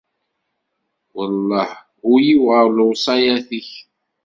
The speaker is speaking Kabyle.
Welleh ul-iw ɣer lewṣayat-ik.